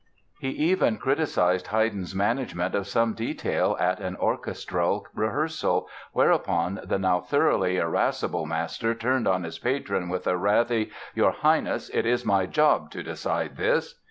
He even criticised Haydn's management of some detail at an orchestral rehearsal, whereupon the now thoroughly irascible master turned on his patron with a wrathy: "Your Highness, it is my job to decide this!"